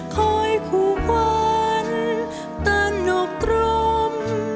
คอยคู่พันแต่หนกกลม